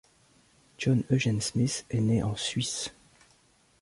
John Eugène Smith est né en Suisse.